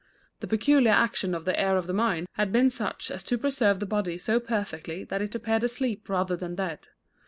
The peculiar action of the air of the mine had been such as to preserve the body so perfectly that it appeared asleep rather than dead.